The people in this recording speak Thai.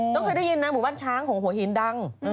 ต้องเคยได้ยินนะหมู่บ้านช้างของหัวหินดัง